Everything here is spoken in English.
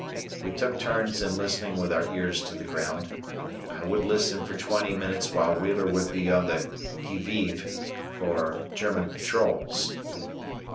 We took turns in listening with our ears to the ground. I would listen for twenty minutes while Wheeler would be on the QUI VIVE for German patrols.